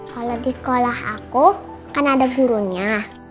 kalau di kolah aku kan ada gurunya